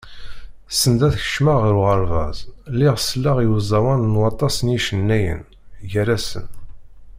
Send ad kecmeɣ ɣer uɣerbaz, lliɣ selleɣ i uẓawan n waṭas n yicennayen, gar-asen.